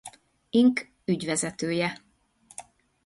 Inc. ügyvezetője.